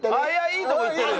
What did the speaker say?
いいとこいってるよ。